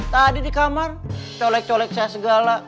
tadi di kamar colek colek saya segala